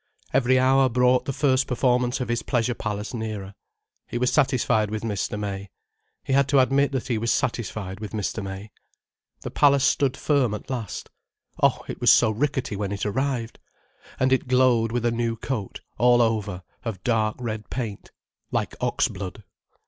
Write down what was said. Every hour brought the first performance of his Pleasure Palace nearer. He was satisfied with Mr. May: he had to admit that he was satisfied with Mr. May. The Palace stood firm at last—oh, it was so ricketty when it arrived!—and it glowed with a new coat, all over, of dark red paint, like ox blood.